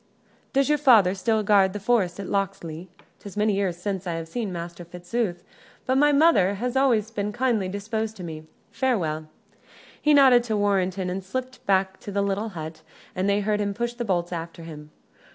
Does your father still guard the forest at Locksley? 'Tis many years since I have seen Master Fitzooth, but thy mother hath always been kindly disposed to me. Farewell." He nodded to Warrenton, and slipped back to the little hut, and they heard him push the bolts after him.